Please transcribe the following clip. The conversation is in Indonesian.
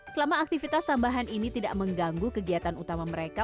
selama aktivitas tambahan ini tidak mengganggu kegiatan utama mereka